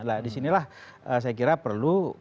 nah disinilah saya kira perlu